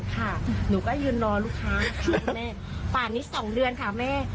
เออค่ะหนูก็ยืนรอลูกค้าค่ะคุณแม่ป่านนี้สองเดือนค่ะแม่